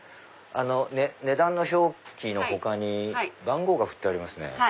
値段の表記の他に番号がふってありますね。